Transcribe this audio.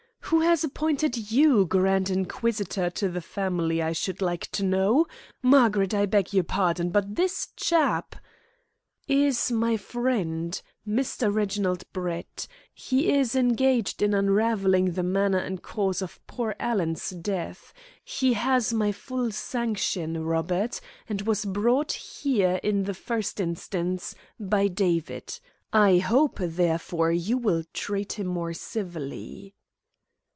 "Who has appointed you grand inquisitor to the family, I should like to know? Margaret, I beg your pardon, but this chap " "Is my friend, Mr. Reginald Brett. He is engaged in unravelling the manner and cause of poor Alan's death. He has my full sanction, Robert, and was brought here, in the first instance, by David. I hope, therefore, you will treat him more civilly."